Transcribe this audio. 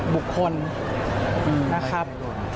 บุคคลนะครับ